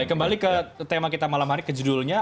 kembali ke tema kita malam hari ke judulnya